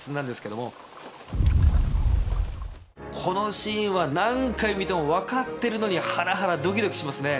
ズンこのシーンは何回見ても分かってるのにハラハラドキドキしますね。